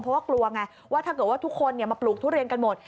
เพราะว่ากลัวไงว่าถ้าเกิดว่าทุกคนมาปลูกทุเรียนกันหมด